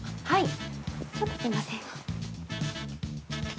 はい。